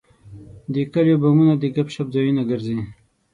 د کلیو بامونه د ګپ شپ ځایونه ګرځي.